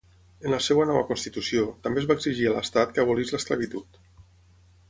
En la seva nova constitució, també es va exigir a l'estat que abolís l'esclavitud.